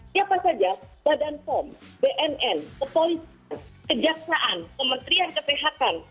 siapa saja badan fon bnn kepol kejaksaan kementerian kesehatan